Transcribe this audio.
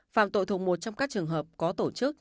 phạm tội thuộc một trong các trường hợp có tổ chức